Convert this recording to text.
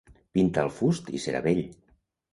Pinta el fust i serà bell.